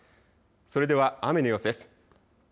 それでは雨の様子です。